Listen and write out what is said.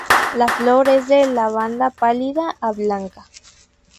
La flor es de lavanda pálida a blanca.